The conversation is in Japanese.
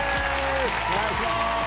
お願いします。